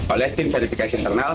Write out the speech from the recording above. oleh tim verifikasi internal